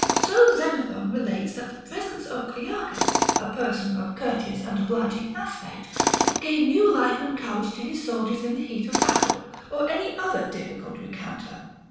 So Xenophon relates that the presence of Clearchus, a person of a courteous and obliging aspect, gave new life and courage to his soldiers in the heat of a battle or any other difficult rencounter.